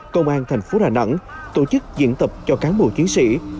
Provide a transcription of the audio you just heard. công an thành phố đà nẵng tổ chức diễn tập cho cán bộ chiến sĩ